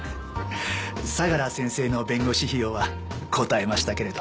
相良先生の弁護士費用はこたえましたけれど。